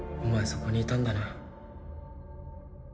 そこにいたんだな